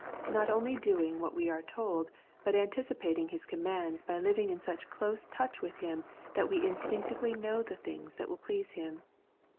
Not only doing what we are told, but anticipating His commands by living in such close touch with Him that we instinctively know the thing that will please Him.